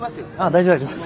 大丈夫大丈夫。